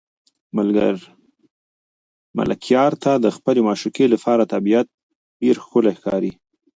ملکیار ته د خپلې معشوقې لپاره طبیعت ډېر ښکلی ښکاري.